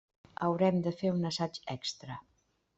Haurem de fer un assaig extra.